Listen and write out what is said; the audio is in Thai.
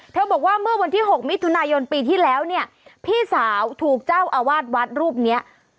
บอกว่าเมื่อวันที่๖มิถุนายนปีที่แล้วเนี่ยพี่สาวถูกเจ้าอาวาสวัดรูปเนี้ย